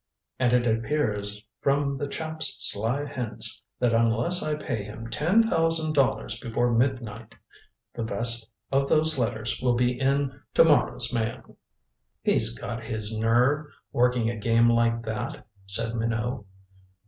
And it appears from the chap's sly hints that unless I pay him ten thousand dollars before midnight, the best of those letters will be in to morrow's Mail." "He's got his nerve working a game like that," said Minot.